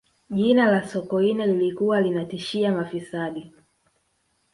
jina la sokoine lilikuwa linatishia mafisadi